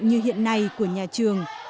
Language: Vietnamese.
như hiện nay của nhà trường